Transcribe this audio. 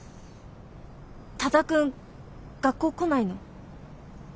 多田くん学校来ないの？